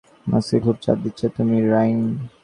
মস্তিষ্কে খুব চাপ দিচ্ছ তুমি, রাইম।